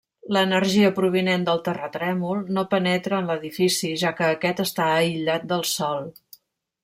L'energia provinent del terratrèmol no penetra en l'edifici, ja que aquest està aïllat del sòl.